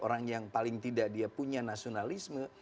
orang yang paling tidak dia punya nasionalisme